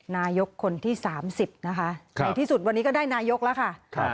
นายกคนที่๓๐นะคะในที่สุดวันนี้ก็ได้นายกแล้วค่ะ